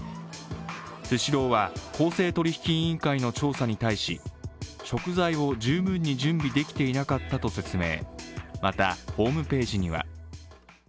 スシローは公正取引委員会の調査に対し、食材を十分に準備できていなかったと説明。